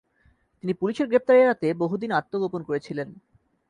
তিনি পুলিসের গ্রেপ্তার এড়াতে বহুদিন আত্মগোপন করে ছিলেন।